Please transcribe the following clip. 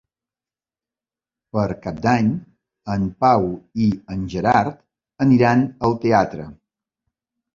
Per Cap d'Any en Pau i en Gerard aniran al teatre.